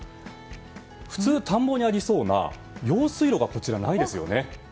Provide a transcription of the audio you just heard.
普通、田んぼにありそうな用水路がこちらにはないですよね。